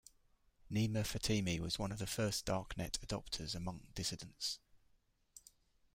Nima Fatemi was one of the first Darknet adopters among dissidents.